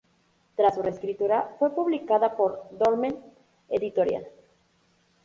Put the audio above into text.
Tras su reescritura, fue publicada por Dolmen Editorial.